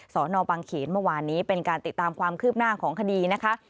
สนบังเขนเมื่อวานนี้เป็นการติดตามความคืบหน้าของคดีนะคะ